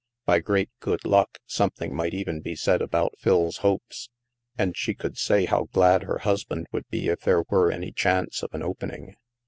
By great good luck, something might even be said about Phil's hopes, and she could say how glad her husband would be if there were any chance of an opening.